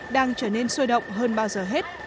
đang trở nên sôi động hơn bao giờ hết